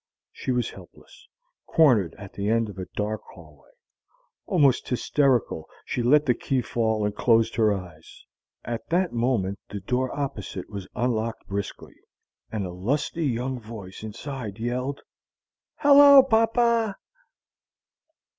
She was helpless, cornered at the end of a dark hallway. Almost hysterical she let the key fall and closed her eyes. At that moment the door opposite was unlocked briskly, and a lusty young voice inside yelled: "Hello, Pappa!"